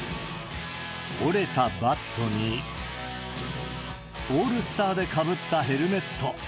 折れたバットに、オールスターでかぶったヘルメット。